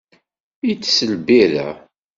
Itess lbirra.